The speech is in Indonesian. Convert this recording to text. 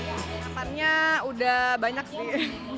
kenapannya sudah banyak sih